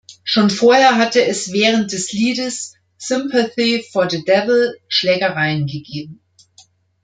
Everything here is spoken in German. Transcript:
Schon vorher hatte es während des Liedes "Sympathy for the Devil" Schlägereien gegeben.